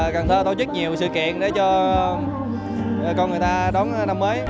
cần thơ tổ chức nhiều sự kiện để cho con người ta đón năm mới